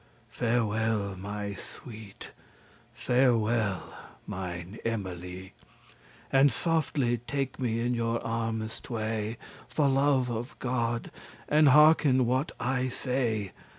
Farewell, my sweet, farewell, mine Emily, And softly take me in your armes tway, For love of God, and hearken what I say.